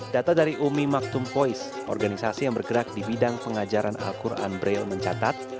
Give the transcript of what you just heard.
data dari umi maktum voice organisasi yang bergerak di bidang pengajaran al quran braille mencatat